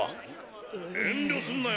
遠慮すんなよ